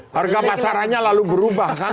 harga pasarannya lalu berubah kan